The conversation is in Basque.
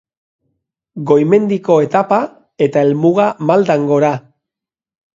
Goi-mendiko etapa eta helmuga maldan gora.